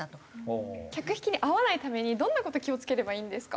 客引きに遭わないためにどんな事気をつければいいんですか？